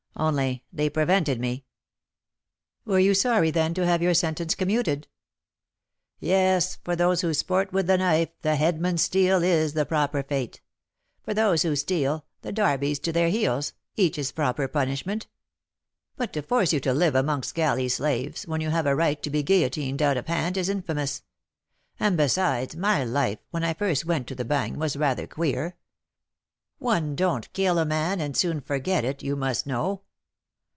only they prevented me." "Were you sorry, then, to have your sentence commuted?" "Yes; for those who sport with the knife, the headsman's steel is the proper fate; for those who steal, the 'darbies' to their heels: each his proper punishment. But to force you to live amongst galley slaves, when you have a right to be guillotined out of hand, is infamous; and, besides, my life, when I first went to the Bagne, was rather queer; one don't kill a man, and soon forget it, you must know."